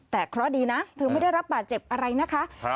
แต่เพราะดีนะถึงไม่ได้รับบาดเจ็บอะไรนะคะครับ